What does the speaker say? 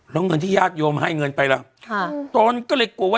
เรามันที่ยากโยมให้เงินไปแล้ว